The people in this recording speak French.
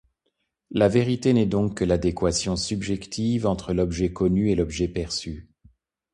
La vérité n'est donc que l'adéquation subjective entre l'objet connu et l'objet perçu.